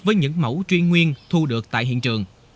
với những mẫu truy nguyên thu được tại hiện trường